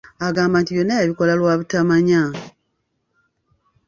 Agamba nti byonna yabikola lwa butamanya.